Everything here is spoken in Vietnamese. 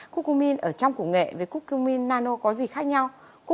cucumin ở trong củ nghệ với cucumin nano có gì khác nhau